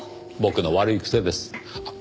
僕の悪い癖です。